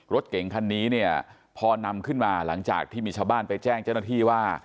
รถเก่งคันนี้เนี่ยพอนำขึ้นมาหลังจากที่มีชาวบ้านไปแจ้งเจ้าหน้าที่ว่า